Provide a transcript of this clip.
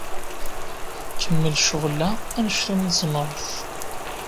Kemmel ccɣel-a anect umi tzemreḍ.